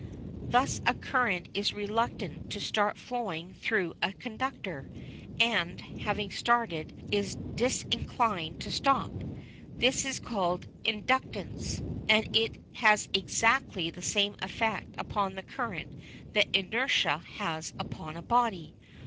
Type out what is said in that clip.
Thus a current is reluctant to start flowing through a conductor, and, having started, is disinclined to stop. This is called "inductance," and it has exactly the same effect upon the current that inertia has upon a body.